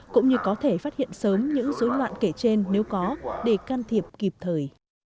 cũng như có thể phát hiện sớm những dối loạn kể trên nếu có để can thiệp kịp thời